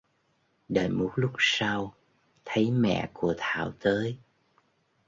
Đợi một lúc sau thấy mẹ của Thảo tới